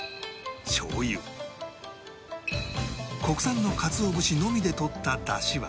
国産の鰹節のみでとっただしは